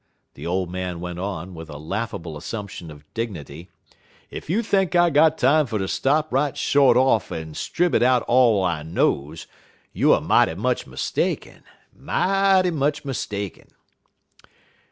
the old man went on, with a laughable assumption of dignity, "ef you think I got time fer ter stop right short off en stribbit out all I knows, you er mighty much mistaken mighty much mistaken.